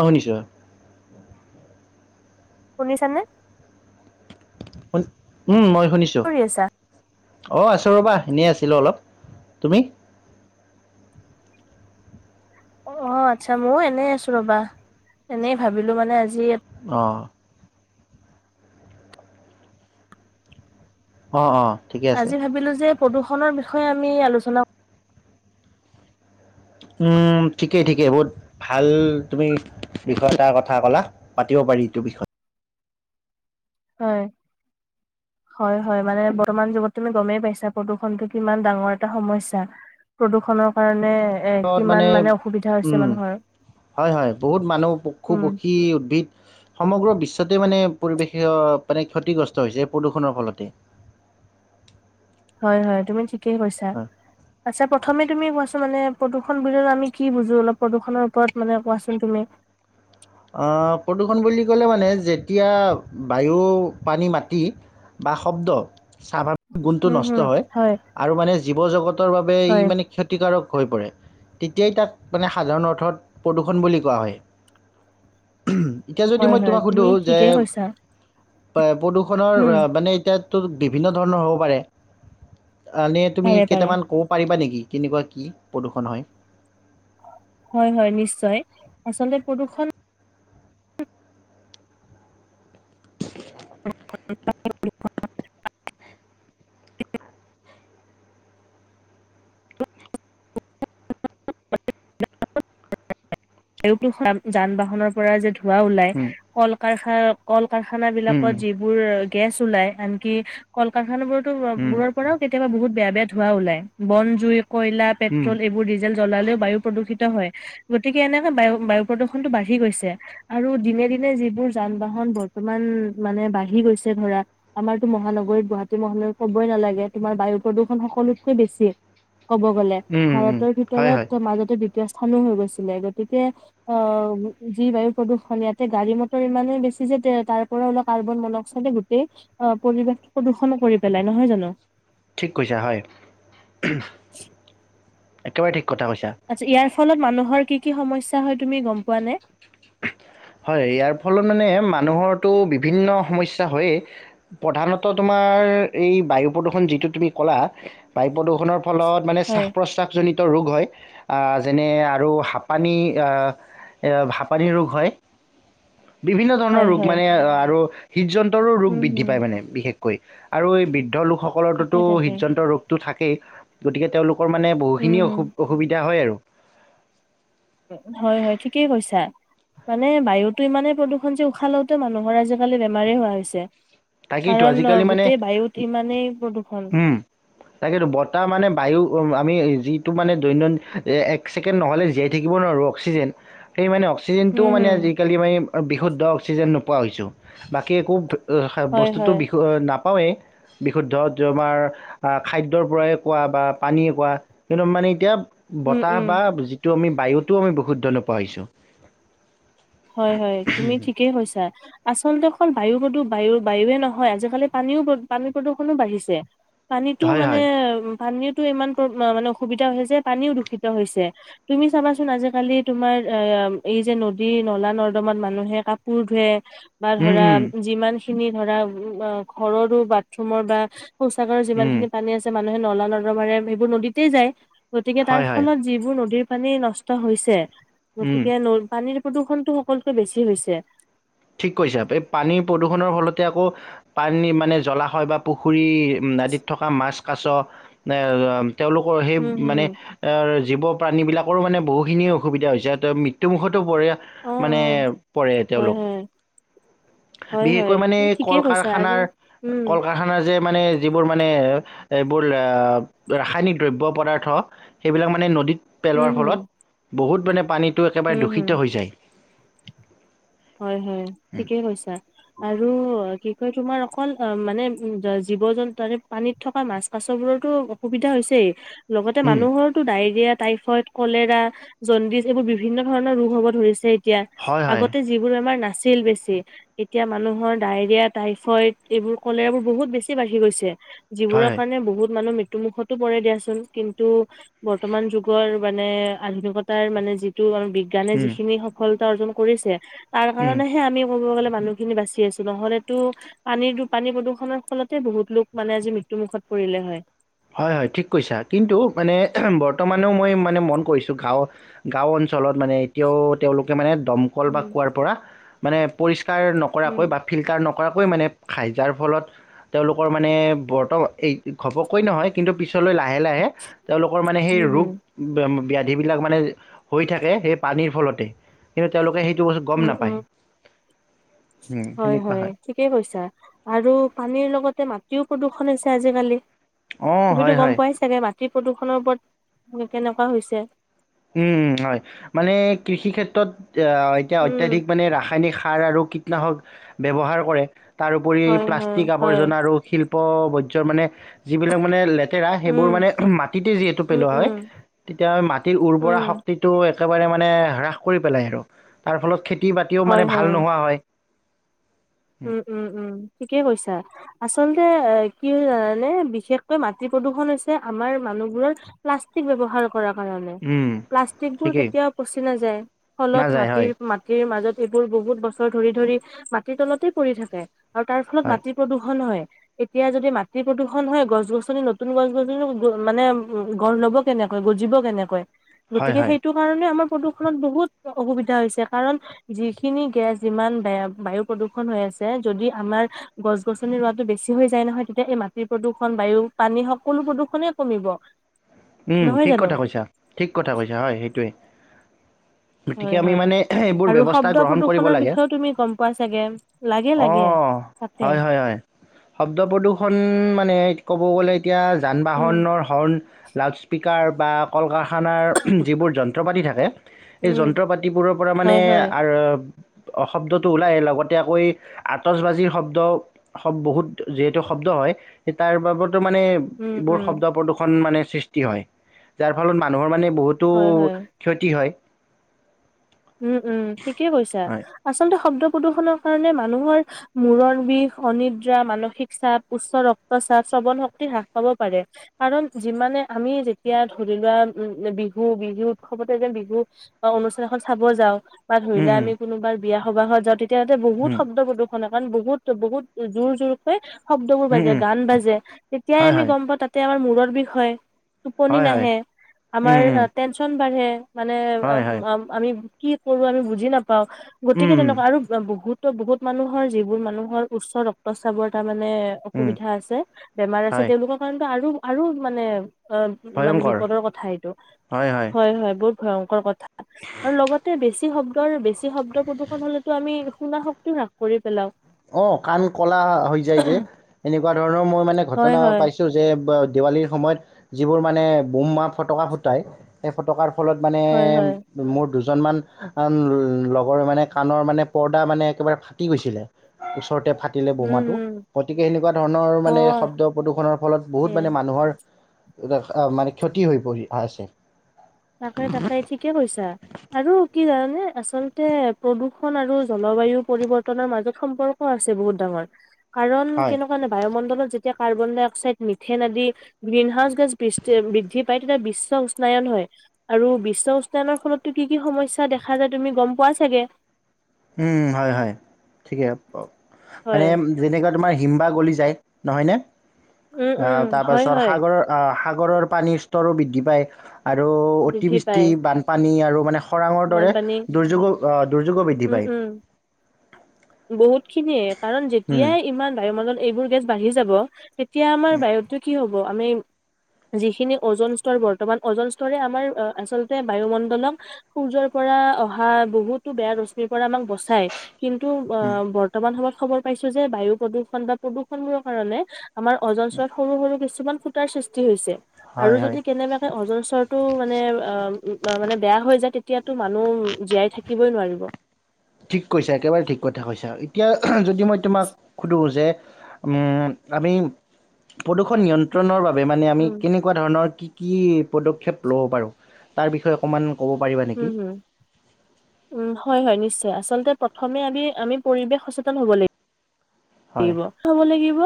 অ শুনিছ শুনি ছানে [unintelligible] উম মই শুনিছোঁ কি কৰি আছা অঁ আছোঁ ৰ'বা এনেই আছিলোঁ অলপ তুমি অ আচ্ছা ময়ো এনেই আছো ৰবা এনেই ভাবিলো মানে আজি আহঁ অ অ আজি ভাবিলো যে প্ৰদূষণৰ বিষয়ে আমি আলোচনা উম ঠিকেই ঠিকেই বহুত ভাল তুমি বিষয় এতাৰ কথা কলা। পাতিব পাৰি এইটো বিষয়। হয় হয় হয় মানে বৰ্তমান যুগত তুমি গমেই পাইছা প্ৰদূৰণতটো কিমান ডাঙৰ এটা সমস্যা প্ৰদূৰ্ষণৰ কাৰণে এ কিমান মানে অসুবিধা হৈছে উম মানুহৰ। হয় হয়, বহুত মানুহ পশু উম, পক্ষী উদ্ভিদ সমগ্ৰ বিশ্ব মানে পৰিৱেশ মানে ক্ষতিগ্ৰস্ত হৈছে প্ৰদূষণৰ ফলতে। হয় হয় তুমি ঠিকেই কৈছা। হয় আচ্ছা প্ৰথমে তুমি কোৱাচোন মানে প্ৰদূষণ বুলিলে আমি কি বুজো? অলপ প্ৰদূ্ষণৰ ওপৰত মানে কোৱাচোন তুমি? প্ৰদূৰষণ বুলি ক'লে মানে যেতিয়া বায়ু, পানী, মাটি বা শব্দ স্বাভাৱিক গুণটো উম, হুম, নষ্ট হয় আৰু মানে জীৱ জগত বাবে ই হয়, মানে ক্ষতিকাৰক হৈ পৰে তেতিয়াই তাক মানে সাধাৰণ অৰ্থত প্ৰদূৰষণ বুলি কোৱা হয়। [unintelligible] এতিয়া যদি হয়, মই হয় তোমাক তুমি সোধো যে ঠিকেই কৈছা। প [unintelligible] প্ৰদূষণৰ উম, মানে এতিয়াত বিভিন্ন ধৰণৰ হ'ব পাৰে আনে তুমি পাৰে পাৰে। কেইটামান ক'ব পাৰিবা নেকি? কেনেকুৱা কি প্ৰদূ্ষণ হয়? হয় হয় নিশ্চয়, আচলতে প্ৰদূৰ্ষণ অ [unintelligible] ই [unintelligible] [unintelligible] যান বাহনৰ পৰা যে ধোৱা ওলাই উম, কল কল কাখাই কল কাৰখানা উম, বিলাকত উম, যিবোৰ গেছ ওলাই আনকি কল কাৰখানা বোৰত উম, বোৰৰ পৰাও কেতিয়াবা বহুত বেয়া বেয়া ধোৱা ওলাই বন জুইৰি কয়লা উম, পেট্ৰল এইবোৰ ডিজেল জ্বলালেও বায়ু প্ৰদূষিত হয়। গতিকে এনেকে বায়ু বায়ু প্ৰদূৰণতটো বাঢ়ি গৈছে। আৰু দিনে দিনে যিবোৰ যান বাহন বৰ্তমান মানে বাঢ়ি গৈছে ধৰা, আমাৰতো মহানগৰীত গুৱাহাটী মহানগৰীত কবই নালাগে তোমাৰ বায়ু প্ৰদূৰণ সকলোতকৈ বেছি। ক'ব গ'লে উম, উম, ভাৰতৰ হয় হয় ভিতৰত মাজতে [unintelligible] হৈ গৈছে। গতিকে অহ, যি বায়ু প্ৰদূষণ ইয়াতে গাড়ী- -মটৰ ইমানেই বেছি যে, তাৰ পৰা অলপ কাৰ্বন- মনক্সাইডে গোটেই আহ, ' পৰিৱেশ প্ৰদূষনো কৰি পেলাই নহয় জানো? ঠিক কৈছা হয় একেবাৰে ঠিক। কথা কৈছা। আচ্ছা ইয়াৰ ফলত মানুহৰ কি কি সমস্যা হয় তুমি গম পোৱা নে? হয়, ইয়াৰ ফলত মানে মানুহৰটো বিভিন্ন সমস্যা হয়েই প্ৰধানতঃ তোমাৰ এই বায়ু প্ৰদূষণ যিটো তুমি ক'লা বা, প্ৰদূষণৰ ফলত মানে হয় শ্বাস- প্ৰশ্বাসজনিত ৰোগ হয় যেনে, আৰু হাঁপানী আঃ এভাব, পানীৰ ৰোগ হয়। বিভিন্ন ধৰণৰ হয় ৰোগ হয় মানে আৰু, হৃদযন্তৰো ৰোগ উম বৃদ্ধি হম পায় মানে বিশেষ, কৈ আৰু এই বৃ, বৃদ্ধ তাকে লোকসকলৰোতো তাকে হৃদযন্ত্ৰ ৰোগটো থাকে। গতিকে তেওঁলোক, লোকৰ মানে উম বহুখিনি হম অসু- অসুবিধা হয় আৰু। হয় -হয় ঠিকেই কৈছা, মানে বায়ুতোই ইমানেই প্ৰদূৰণ যে, উশাহ লওঁতে মানুহৰ আজিকালি বেমাৰেই হোৱা হৈছে। তাকেটো কাৰণ অ আজিকালি মানে গোটেই বায়ুত ইমানেই প্ৰদূষণ উম, ' তাকেটো বতাহ মানে বায়ু আমি, যিটো মানে দৈনন্দিন এক ছেকেণ্ড নহ'লে জীয়াই থাকিব নোৱাৰোঁ অক্সিজেন সেই মানে অক্সি, চিজেন টো উম মানে হম আজিকালি মানে, বিশুদ্ধ অক্সিজেন নোপোৱা হৈছোঁ বাকী একো, হয় বস্তুটো হয় বি - নাপ, অয়ে, বিশুদ্ধ তোমাৰ খাদ্যৰ পৰাই কোৱা বা পানীয়ে কোৱা কিন্তু মানে এতিয়া, উম, বতাহ উম, বা যি, ত 'আমি বায়ুতো আমি বহুত ধৰণৰ পোৱা হৈছো। হয় -হয় তুমি ঠিকেই কৈছা। আচলতে অকল বায়ু প্ৰদূ, বায়ু -বায়ুয়ে নহয় আজিকালি পানীও পানী প্ৰদূষনু বাঢ়িছে। পানীটো হয় মানে হয় উ, পানীৰতো ইমান প্ৰ- মানে, অসুবিধা হৈছে যে, পানীও দূষিত হৈছে। তুমি চাবাচোন আজিকালি তোমাৰ অ, এই যে নদীৰ, নলা -নৰ্দমাত মানুহে কাপোৰ ধোৱে, -বা উম ধৰা উম যিমান খিনি, খিনি ধৰা ঘৰৰো, বাথৰুমৰ বা, শৌচাগাৰ যিমান উম খিনি পানী আছে ম, মানে নলা - নৰ্দমাৰে সেইবোৰ নদীতে যায়। গতিকে তাৰ হয় হয় ফলত যিবোৰ নদীৰ, পানী নষ্ট হৈছে, উম গতিকে নৈৰ পানীৰ, প্ৰদূষণটো সকলোকৈ বেছি হৈছে ঠিক কৈছে এই পানীৰ প্ৰদূষণৰ ফলতে আকৌ পানী মানে জ্বলা হয় বা পুখুৰী নদীত থকা মাছ কাছ নে তেওঁলোকৰ সেই উম, হুম। মানে এ জীৱ প্ৰাণীবিলাকৰো মানে বহুখিনি অসুবিধা হৈছে সিঁহতে মৃত্যুমুখত পৰে অ', মানে অ', পৰে হয়, তেওঁলোক। হয়, হয়, হয়, বিশেষকৈ মানে তুমি ঠিকেই কৈছা আৰু কল-কাৰখানাৰ উম, কল-কাৰখানাৰ যে [unintelligible] মানে যিবোৰ মানে এইবোৰ ৰাসায়নিক দ্ৰব্য, পদাৰ্থ সেইবিলাক মানে নদীত [unintelligible] হম, পেলোৱাৰ হম, ফলত বহুত মানে পানী টো একেবাৰে হম, হম। দূষিত হৈ যায়। হয় হয় ঠিকেই কৈছা। আৰু কি কয় তোমাৰ অকল অ মানে উ জীৱ-জন্তু তাৰে পানীত থকা মাছ, কাছবোৰৰটো অসুবিধা হৈছেই, [unintelligible] লগতে উম, মানুহৰটো ডায়েৰিয়া টাইফইড, কলেৰা, জণ্ডিচ এইবোৰ বিভিন্ন ধৰণৰ ৰোগ হ'ব ধৰিছে। [unintelligible] এতিয়া হয় হয় আগত বেমাৰ নাছিল বেছি, এতিয়া মানুহৰ ডায়েৰিয়া, টাইফইড এইবোৰ কলেৰাবোৰ বহুত বেছি বাঢ়ি গৈছে। [unintelligible] হয় যিবোৰৰ হয় কাৰণে বহুত মানুহ মৃ ত্যু মুুখতো পৰে দিয়াচোন, কিন্তু বৰ্তমান যুগৰ মানে আধুনিকতাৰ মানে যিটো আৰু [unintelligible] বিজ্ঞানে উম, যিখিনি সফল তা অৰ্জন কৰিছে। [inaudible] তাৰ উম। কাৰণেহে আমি ক'ব গ'লে মানুহখিনি বাচি আছো নহ'লেতো পানীৰটো পানী প্ৰদূষণৰ ফলতে বহুত লোক মানে আজি মৃত্যুমুখত পৰিলে হয়। [unintelligible] হয় হয় ঠিক কৈছা কিন্তু মানে বৰ্তমানেও মই মানে মন কৰিছোঁ গাঁও গাঁও অঞ্চলত মানে এতিয়াও তেওঁলোকে মানে [unintelligible] দমকল বা উম, কুঁৱাৰ পৰা মানে পৰি ষ্কাৰ নকৰাকৈ উম। বা ফিলটাৰ নক কৰাকৈ মানে খাই যাৰ ফলত তেওঁলোকৰ মানে বৰ্তমান এই ঘপক [unintelligible] কৈ নহয় কিন্তু পিছলৈ লাহে লাহে তেওঁলোকৰ মানে সেই উম, ৰোগ হুম, ব্যাধি সেইবিলাক মানে হৈ থাকে, সেই পানীৰ ফলতেই কিন্তু তেওঁলোকে সেই উম উম উম, হয় সেনেকুৱা হয় ঠিকেই কৈছা আৰু পানীৰ লগতে মা- টিও প্ৰদূষণ হৈছে আজিকালি অঁ হয় তুমিতো হয় গম পোৱাই চাগে? মা- তি প্ৰদূষণৰ ওপৰত কেনেকুৱা হৈছে উম হয় মানে কৃষি ক্ষেত্ৰত এতিয়া উম, অত্যাধিক মানে ৰাসায়নিক সাৰ আৰু কীটনাশক ব্যৱহাৰ কৰে তাৰোপৰি হয়, হয়, প্লাষ্টিক হয়, আৱৰ্জনা আৰু শিল্প বৰ্জৰ মানে যিবিলাক মানে লে- তেৰা সেইবোৰ উম, মানে মাটিতে যিহেতু উম, পেলোৱা হয় উম, তেতিয়া মাত উৰ্বৰা উম, শক্তিটো একেবাৰে মানে হ্ৰাস কৰি পেলাই আৰু তাৰ ফলত খে- তি বাতিও মানে ভাল নোহোৱা হয়। উম উম উম ঠিকে কৈছা। আচলতে কি হয় জানে বিশেষকৈ মাটি প্ৰদূষণ হৈছে আমাৰ মানুহবোৰৰ প্লাষ্টিক ব্যৱহাৰ কৰা কাৰণে উম, প্লাষ্টিবোৰ ঠিকেই কেতিয়াও পচি নাযায় ফলত নাযায় মাটিৰ হয়, মাটিৰ মাজত এইবোৰ বহুত বছৰ ধৰি ধৰি মাটিৰ তলতে পৰি থাকে আৰু তাৰ ফলত হয়, মাটি প্ৰদূষণ হয়। এতিয়া যদি মাটি প্ৰদূষন হয় গছ গছনি নতুন গছ গছনি মানে গঢ় লব কেনেকৈ গজিব কেনেকৈ হয়, গতিকে হয়। সেইটো কাৰণে আমাৰ প্ৰদূষণত বহুত অসুবিধা হৈছে কাৰণ যিখিনি গেছ যিমান বেয়া বায়ু প্ৰদূ- ষন হৈ আছে যদি আমাৰ গছ গছনি ৰোৱাটো বেছি হৈ যায় নহয় তেতিয়া এই মাটিৰ প্ৰদূষণ বায়ু পানী সকলো প্ৰদূষণে কমিব উম নহয় ঠিক জানো কথা কৈছা ঠিক কথা কৈছা হয় সেইটোৱে গতিকে হয় আমি হয়। মানে এইবোৰ আৰু ব্যৱস্থা শব্দ গ্ৰহণ কৰিব প্ৰদূষণৰ লাগে বিষয়েও তুমি গম পোৱা চাগে লাগে অ লাগে তাকে হয় হয় হয় শব্দ প্ৰদূষণ মানে ক'ব গ'লে এতিয়া যান উম বাহনৰ হৰ্ণ স্পীকাৰ বা কল কাৰা- খানাৰ যিবোৰ যন্ত্ৰ পাতি থাকে সেই উম যন্ত্ৰ পাতিবোৰৰ পৰা মানে হয় হয় আৰু অ শব্দটো ওলাই লগতে আকৌ আটচবাজিৰ শব্দ বহুত যিহেতু শব্দ হয় সেই তাৰ বাবদ মানে উম এইবোৰ উম শব্দ প্ৰদূষণ মানে সৃ- ষ্টি হয় যাৰ ফলত মানুহৰ মানে বহুতো হয় হয় ক্ষতি হয় উম উম ঠিকে কৈছা হয় আচলতে শব্দ প্ৰদূষণৰ কাৰণে মানুহৰ মূৰৰ বিষ, অনিদ্ৰা, মানসিক চাপ, উচ্চ ৰক্তচাপ, শ্ৰৱণ শক্তি হ্ৰাস পাব পাৰে। কাৰণ যিমানে আমি যেতিয়া ধৰি লোৱা বিহু বিহু উৎসৱতে যে বিহু অনুষ্ঠান এখন চাব যাওঁ বা ধৰি উম, লোৱা উম, আমি কোনোবা বিয়া সবাহত যদি ইয়াতে বহুত উম, শব্দ প্ৰদূষণ মান বহুত বহুত জোৰ জোৰকৈ শব্দবোৰ উম, বাজে, উম, গান বাজে, তেতিয়াই হয় আমি হয় গম পাওঁ তাতে আমাৰ মো মূৰৰ বিষ হয় টোপনি হয় হয় নাহে, আমাৰ উম, উম, আ টেনচন বাঢ়ে। মানে হয় হয়। অম অম কি কৰোঁ আমি বুজি নাপ পাওঁ, গতিকে উম, তেনেকুৱা আৰু বহুত ত' বহুত মানুহৰ, যিবোৰ মানুহৰ উচ্চ ৰক্তচাবৰ তাত মানে উম, অসুবিধা আছে, বেমাৰ আছে, হয় তেওঁলোকৰ কাৰণেটো আৰু আৰু মানে অ, মানে ভয়ংকৰ বিপদৰ কথা এইটো। হয় হয় বহুত ভয়ংকৰ কথা আৰু [inaudible] লগতে বেছি বেছি শব্দৰ বেছ শব্দ প্ৰদূষণ হ'লেতো আমি শুনা শক্তি হ্ৰাস কৰি পেলাওঁ। অ, কাণ কলা হৈ যায় যে। এনেকুৱা ধৰণৰ মই মানে হয় ঘটনা হয় পাইছোঁ যে অ দেৱালীৰ সময়ত যিবোৰ মানে বোমা ফটকা ফুটাই সেই ফটকাৰ ফলত মানে হয় হয় মোৰ দুজ দুজনমান লগৰ মানে কাণৰ মানে পৰ্দা মানে একেবাৰে ফাটি গৈছিলে। [inaudible] ওচৰতে ফাটিলে উম বোমাটো। উম গতিকে এনেকুৱা ধৰণৰ অ মানে শব্দ প্ৰদূষণৰ ফলত বহুত এয়া মানে মানুহৰ মানে ক্ষতি হৈ পৰি আছে তাকে তাকে, ঠিকে কৈছা। আৰু কি জানানে, আচলতে প্ৰদূষণ আৰু জলবায়ু পৰিৱৰ্তনৰ মাজত সম্পৰ্ক আছে বহুত ডাঙৰ। কাৰণ হয়, কেনেকুৱানে বায়ুমণ্ডলত যে যেতিয়া কাৰ্বন ডাই অক্সাইড, মিথেন আদি গ্ৰীণ হাউচ গেছ বিচ বৃদ্ধি পায় তেতিয়া বিশ্ব উষ্নায়ন হয়। আৰু বিশ্ব উষ্নায়নৰ ফলতটো কি কি সমস্যা দেখা যায় তুমি গম পোৱা চাগে। উম উম, হয় হয়। ঠিকে হয়, মানেএ যেনেকোৱাত তোমাৰ হিম্বা গলি যায় নহয় নে। উম উম আহ হয় তাৰপাছত হয় সাগৰৰ আহ সাগ সাগৰৰ পানীৰ স্তৰো বৃদ্ধি পায়। আৰু বৃদ্ধি অতিবৃষ্টি পায় বানপানী আৰু। মানে খৰাঙৰ দৰে বানপানী দুৰ্যোগ দুৰ্যোগ বৃদ্ধি উম পায়। উম বহুত। খিনিয়ে কাৰণ উম যেতিয়াই ইমান বায়ু মণ্ডলত এইবোৰ গেছ বাঢ়ি যাব। এতিয়া আমাৰ বাহিৰটো কি হ'ব? আমি যিখিনি অজন স্তৰ বৰ্তমান অজন স্তৰে আমাৰ আচলতে বায়ুমণ্ডলক সূৰ্যৰ পৰা অহা বহুতো বেয়া ৰশ্মিৰ পৰা আমাক বস কিন্তু উম বৰ্তমান সময়ত খবৰ পাইছো যে বায়ু প্ৰদূষণ বা প্ৰদূষণবোৰৰ কাৰণে আমাৰ অজন স্তৰত সৰু সৰু কিছু কিছুমান খুটাৰ সৃষ্টি হৈছে। আৰু হয় হয় যদি কেনেবাকে অজন স্তৰটো মানে অ মানে বেয়া হৈ যায়। এতিয়াতো মানুহ জীয়াই থাকিবই নোৱাৰিব। ঠিক কৈছা একেবাৰে ঠিক কথা কৈছা আৰু এতিয়া যদি এ মই তোমাক সোধোঁ যে আমি প্ৰদূষণ নিয়ন্ত্ৰণৰ বাবে মানে আমি উম, কেনেকুৱা ধৰণৰ কি? কি পদক্ষেপ ল'ব পাৰোঁ তাৰ বিষয়ে অকণমান ক'ব পাৰিবা নেকি উম হম উম হয় হয় নিশ্চয়। আচলতে প্ৰথমে আমি আমি পৰিৱেশ সচেতন হ'ব লাগিব। হয় লাগিব খাব লাগিব।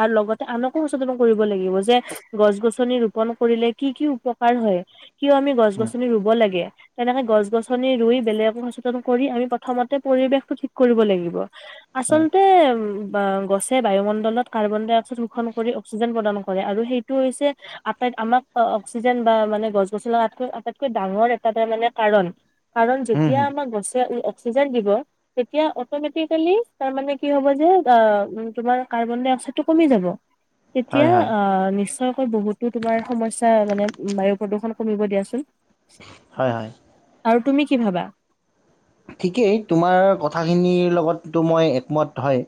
আৰু লগতে আনকো সচেতন কৰিব লাগিব যে গছ গছনি ৰোপন কৰিলে কি কি উপকাৰ হয়। কিয় আমি গছ হয় গছনি ৰুব লাগে। তেনেকে গছ গছনি ৰুই বেলেগ সচেতন কৰি আমি প্ৰথমতে পৰিৱেশ টো ঠিক কৰিব লাগিব। হয় আচলতে উ বা গছে বায়ুমণ্ডলত কাৰ্বন ডাই অক্সাইড ৰোষণ কৰি অক্সিজেন প্ৰদান কৰে আৰু সেইটো হৈছে আটাইত আমাক অক্সিজেন বা মানে গছ গছ আকৈ আটাইতকৈ ডাঙৰ এটা তাৰ মানে কাৰণ কাৰণ উম, যেতিয়া হুম, আমাৰ গছে উ অক্সিজেন দিব তেতিয়া অটমেটিকেলি তাৰ মানে কি হব যে অ তোমাৰ কাৰ্বন ডাই অক্সাইড টো কমি যাব তেতিয়া হয় হয় অ নিশ্চয় হয় বহুতো তোমাৰ সমস্া মানে বায়ু প্ৰদূষণ কমিব দিয়াচোন হয় হয় আৰু তুমি কি ভাবা ঠিকেই তোমাৰ কথাখিনিৰ লগতো মই একমত হয়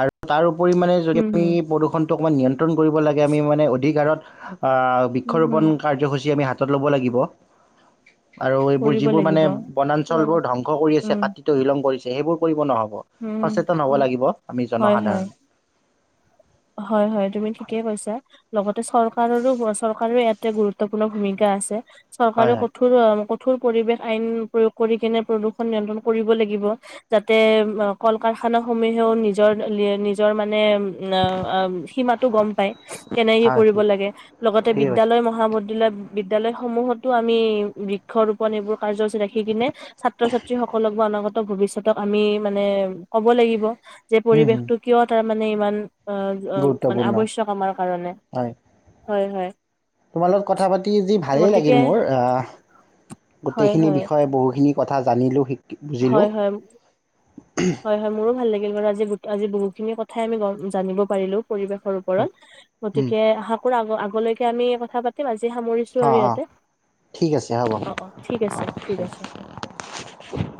আৰু তাৰ পৰিমাণে যদি উম, আমি হুম, প্ৰদূষণটো মন্যন [unintelligible] নিয়নতন কৰিব লাগে আমি মানে অধিকাৰত [unintelligible] হয় উম, বৃক্ষৰোপণ হুম কাৰ্যসূচী আমি হাত [unintelligible] হাতত ল'ব লাগিব আৰু এইবোৰ কৰিব যিবোৰ মানে লাগিব। বনাঞ্চলবোৰ লগত ধ্বংস কৰি আছে উম, কাটতিটো শিলং কৰিছে সেইবোৰ কৰিব নহ'ব উম, সচেতন হব উম, লাগিব আমি হয়, হয়। জনসাধাৰণ হয় হয় তুমি ঠিকেই কৈছা লগতে চৰকাৰৰো চৰকাৰো ইয়াতে গুৰুত্বপূৰ্ণ ভূমিকা আছে হয় চৰকাৰে হয় কঠোৰ কঠোৰ পৰিৱেশ আইন প্ৰয়োগ কৰি কেনে প্ৰদূষণ নিয়ন্ত্ৰণ কৰিব লাগিব যাতে কল কাৰখানা সমূহেও নিজৰ নিজৰ মানে সীমাতো গম পায় কেনে হয় কৰিব ঠিক লাগে লগতে ঠিকে কৈছে বিদালয় [unintelligible] বিদ্য়ালয় সমূহতো আমি বৃক্ষ ৰোপন এইবোৰ কাৰ্যসূচী ৰাখি কিনে ছাত্ৰ ছাত্ৰী সকলক বা অনাগত ভৱিষ্যতক আমি মানে কব লাগিব [unintelligible] যে হুম পৰিৱেশ হুম, টো কিয় তাৰ মানে ইমান অ মানে গুৰুত্বপূৰ্ণ আৱশ্য়ক আমাৰ কাৰণে হয় হয় হয় [unintelligible] তোমাৰ লগত কথা পাতি যি ভালেই গতিকে লাগিল মোৰ আহ হয় গোটেইখিনি হয় বিষয়ে বহুখিনি কথা জানিলো শিক হয় হয় হয় হয় মোৰো ভাল লাগে। আজি বহুতখিনি কথাই আমি গম, জানিব পাৰিলো। পৰিৱেশৰ ওপৰত হয় হুম। গতিকে আশা কৰো আগ গলৈকে আমি কথা পাতিম আজি সামৰিছো আৰু অ', অ', ইয়াতে। ঠিক আছে হ'ব। অ', অ ঠিক আছে, ঠিক অ' আছে, অ।